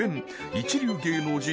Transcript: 一流芸能人